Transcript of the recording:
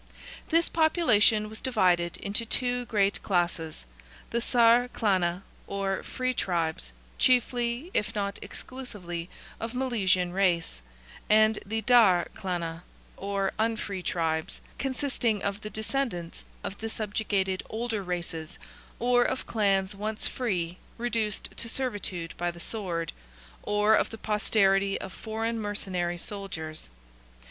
This population was divided into two great classes, the Saer Clanna, or free tribes, chiefly, if not exclusively, of Milesian race; and the Daer Clanna, or unfree tribes, consisting of the descendants of the subjugated older races, or of clans once free, reduced to servitude by the sword, or of the posterity of foreign mercenary soldiers.